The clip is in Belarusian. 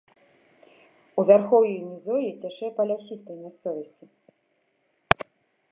У вярхоўі і нізоўі цячэ па лясістай мясцовасці.